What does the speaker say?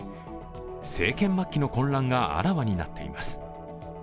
政権末期の混乱があらわになっています。